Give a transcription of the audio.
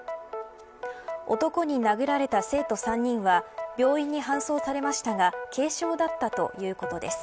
男に殴られた生徒３人は病院に搬送されましたが軽傷だったということです。